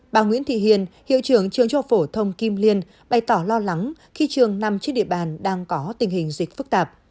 bà nguyễn thị hiền hiệu trưởng trường phổ thông kim liên bày tỏ lo lắng khi trường nằm trên địa bàn đang có tình hình dịch phức tạp